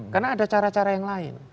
karena ada cara cara yang lain